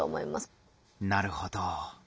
なるほど。